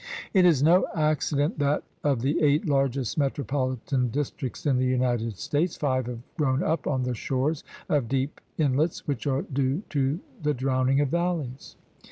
It is no accident that of the eight largest metropolitan districts in the United States five have grown up on the shores of deep inlets which are due to the drowning of valleys.